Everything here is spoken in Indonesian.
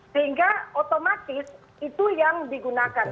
sehingga otomatis itu yang digunakan